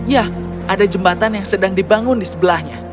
ya ada jembatan yang sedang dibangun di sebelahnya